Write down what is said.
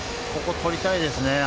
ここ、取りたいですね。